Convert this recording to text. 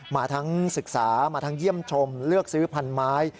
มาทั้งศึกษามาทั้งเยี่ยมชมเลือกซื้อพันไม้